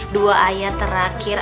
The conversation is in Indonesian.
dua ayat terakhir